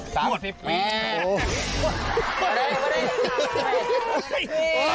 จบมานี่หรอกระวังนะมึงค่ะ